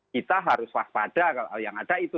kita harus waspada kalau yang ada itu